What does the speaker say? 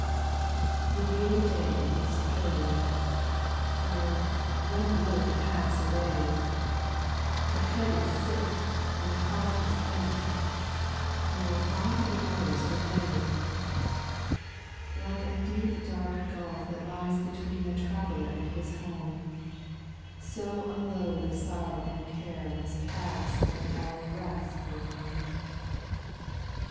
npHE weary day is tarrying ; J. Oh I when will it pass away ? The head is sick, and the heart is faint ; Oh ] why do the hours delay ? SPIRITUAL SONGS. 169 2. Like a deep dark gulf that lies between The traveller and his home, So a load of sorrow and care must pass Ere the hour of rest will come.